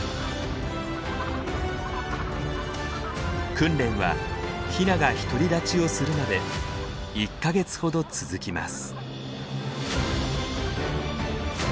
訓練はヒナが独り立ちをするまで１か月ほど続きます。